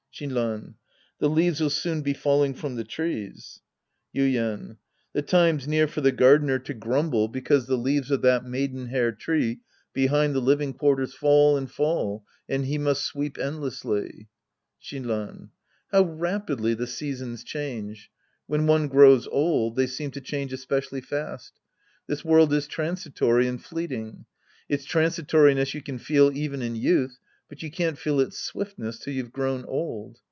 Shinran. The leaves'll soon be falling from the trees. Yuien. The time's near for the gardener to grumble 120 The Priest and His Disciples Act III because the leaves of that maidenhair tree behind the living quarters fall and fall and he must sweep end lessly. Shinran. How rapidly the seasons change. When one grows old, they seem to change especially fast. Tliis world is transitory and fleeting. Its transitori ness you can feel even in youth, but you can't feel its swiftness till you've grown old.